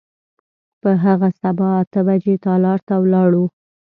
په هغه سبا اته بجې تالار ته ولاړو.